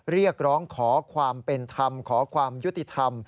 เรียกร้องขอความเป็นธรรมขอความยุติธรรม